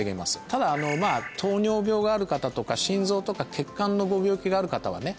ただ糖尿病がある方とか心臓とか血管のご病気がある方はね